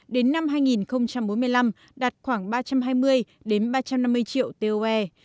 đến năm hai nghìn bốn mươi năm đạt khoảng ba trăm hai mươi ba trăm năm mươi triệu toe